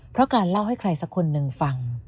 เพราะการเล่าให้ใครสักคนหนึ่งฟัง